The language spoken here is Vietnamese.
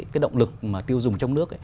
cái động lực mà tiêu dùng trong nước